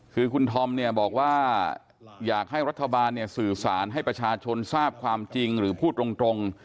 คือคุณธอมเนี่ยบอกว่าอยากให้รัฐบาลเนี่ยสื่อสารให้ประชาชนทราบความจริงหรือพูดตรง